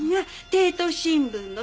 帝都新聞の？